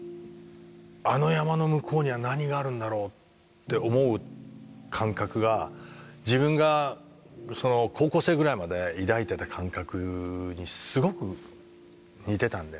「あの山の向こうには何があるんだろう？」って思う感覚が自分が高校生ぐらいまで抱いてた感覚にすごく似てたんだよね。